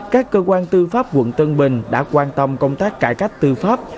các cơ quan tư pháp quận tân bình đã quan tâm công tác cải cách tư pháp